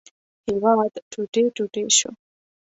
هېواد ټوټې ټوټې شو.